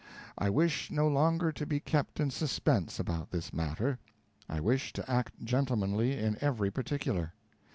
I wish no longer to be kept in suspense about this matter. I wish to act gentlemanly in every particular.